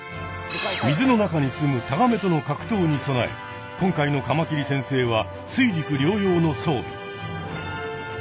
水の中にすむタガメとの格とうに備え今回のカマキリ先生は水陸両用の装備。